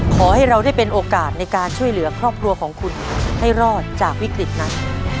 ขอให้เราได้เป็นโอกาสในการช่วยเหลือครอบครัวของคุณให้รอดจากวิกฤตนั้น